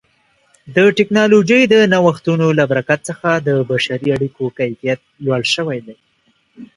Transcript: د ټکنالوژۍ د نوښتونو له برکت څخه د بشري اړیکو کیفیت لوړ شوی دی.